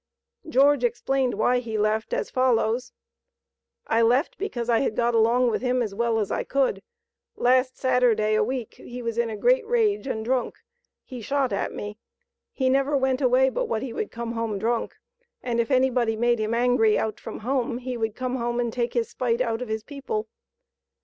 George explained why he left as follows: "I left because I had got along with him as well as I could. Last Saturday a week he was in a great rage and drunk. He shot at me. He never went away but what he would come home drunk, and if any body made him angry out from home, he would come home and take his spite out of his people."